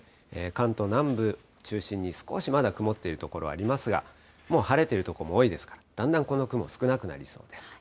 関東南部中心に少しまだ曇っている所ありますが、もう晴れという所も多いですから、だんだんこの雲、少なくなりそうです。